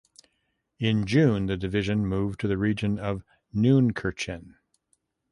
In June the division moved to the region of Neunkirchen.